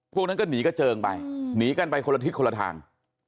พวกนั้นก็หนีกระเจิงไปหนีกันไปคนละทิศคนละทาง